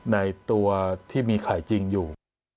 ในตัวที่มีไข่จริงอยู่